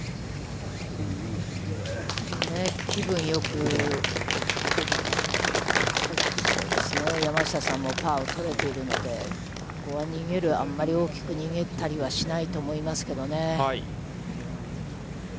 気分よく、そうですね、山下さんもパーを取れているので、ここはあんまり大きく逃げたりはしないと思いますけどね。